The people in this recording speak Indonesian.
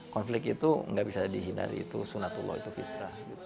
konflik itu tidak bisa dihindari itu sunatullah itu fitrah